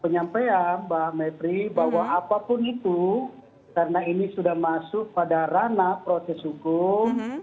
penyampaian mbak mepri bahwa apapun itu karena ini sudah masuk pada ranah proses hukum